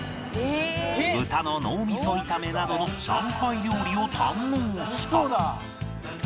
豚の脳みそ炒めなどの上海料理を堪能した